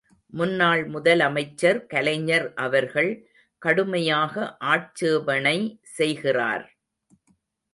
முன்னாள் முதலமைச்சர் கலைஞர் அவர்கள் கடுமையாக ஆட்சேபணை செய்கிறார்!